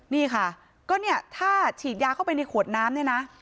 นี่ค่ะก็เนี่ยถ้าฉีดยาเข้าไปในขวดน้ำเนี่ยนะ